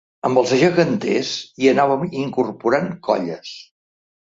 Amb els geganters, hi anàvem incorporant colles.